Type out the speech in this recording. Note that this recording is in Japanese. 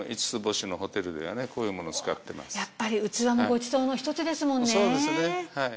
やっぱり器もごちそうの一つですもんね。